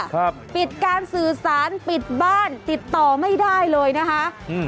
ครับปิดการสื่อสารปิดบ้านติดต่อไม่ได้เลยนะคะอืม